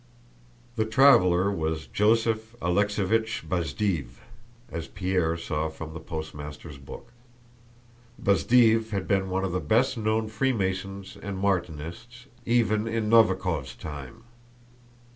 The traveler was Joseph Alexéevich Bazdéev, as Pierre saw from the postmaster's book. Bazdéev had been one of the best known Freemasons and Martinists, even in Novíkov's time.